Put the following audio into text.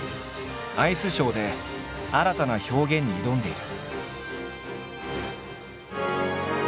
アイスショーで新たな表現に挑んでいる。